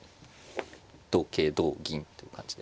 同桂同銀という感じで。